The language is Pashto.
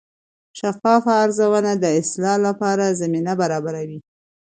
شفاف ارزونه د اصلاح لپاره زمینه برابروي.